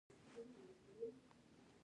د فراه په جوین کې څه شی شته؟